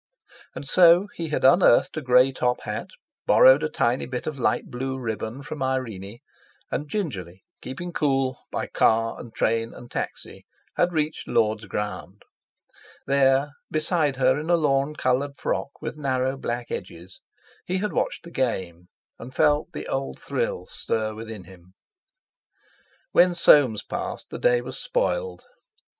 And so, he had unearthed a grey top hat, borrowed a tiny bit of light blue ribbon from Irene, and gingerly, keeping cool, by car and train and taxi, had reached Lord's Ground. There, beside her in a lawn coloured frock with narrow black edges, he had watched the game, and felt the old thrill stir within him. When Soames passed, the day was spoiled.